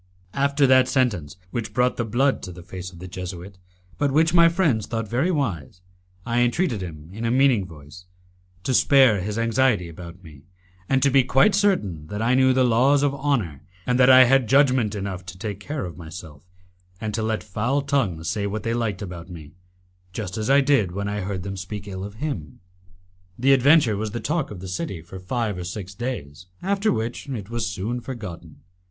After that sentence, which brought the blood to the face of the Jesuit, but which my friends thought very wise, I entreated him, in a meaning voice, to spare his anxiety about me, and to be quite certain that I knew the laws of honour, and that I had judgment enough to take care of myself, and to let foul tongues say what they liked about me, just as I did when I heard them speak ill of him. The adventure was the talk of the city for five or six days, after which it was soon forgotten.